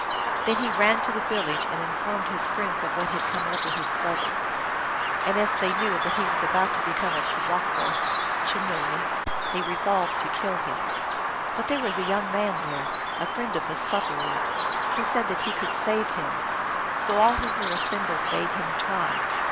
Then he ran to the village and informed his friends of what had come over the brother. And as they knew that he was about to become a kewahqu (chenooi) they resolved to kill him. But there was a young man there, a friend of the sufferer, who said that he could save him. So all who were assembled bade him try.